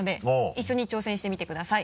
一緒に挑戦してみてください。